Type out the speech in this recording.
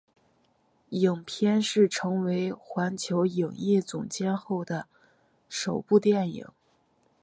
影片是成为环球影业总监后的首部电影。